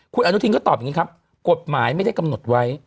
คุณอนุทินก็ตอบอย่างนี้ครับกฎหมายไม่ได้กำหนดไว้